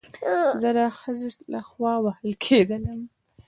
زه د خځې له خوا وهل کېدلم